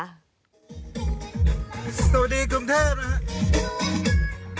สวัสดีกรุงเทพนะครับ